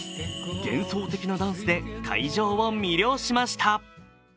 幻想的なダンスで会場を魅了しました。